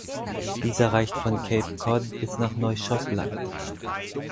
Dieser reicht von "Cape Cod" bis Neuschottland.